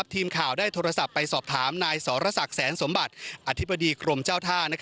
ทีมข่าวได้โทรศัพท์ไปสอบถามนายสรษักแสนสมบัติอธิบดีกรมเจ้าท่า